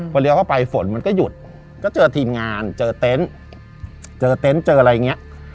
พอเลี้ยวเข้าไปฝนมันก็หยุดก็เจอทีมงานเจอเต้นเจออะไรอย่างนี้